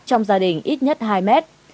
trong gia đình ít nhất hai mét